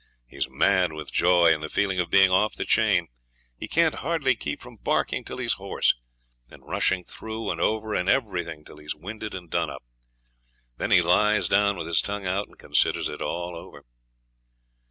He's mad with joy and the feeling of being off the chain; he can't hardly keep from barking till he's hoarse, and rushing through and over everything till he's winded and done up. Then he lies down with his tongue out and considers it all over.